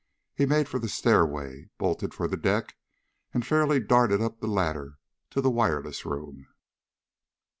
He made for the stairway, bolted for the deck, and fairly darted up the ladder to the wireless room.